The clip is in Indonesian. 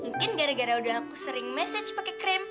mungkin gara gara udah aku sering message pakai krim